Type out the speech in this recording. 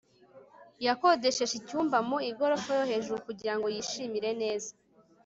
yakodesheje icyumba mu igorofa yo hejuru kugira ngo yishimire neza